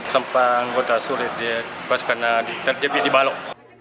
sempang kota sulit dia pas karena terjepit di balok